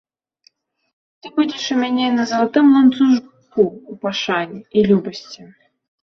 Ты будзеш у мяне на залатым ланцужку ў пашане і любасці.